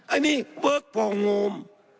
อันนี้เวิร์คปองโงม